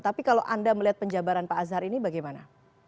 tapi kalau anda melihat penjabaran pak azhar ini bagaimana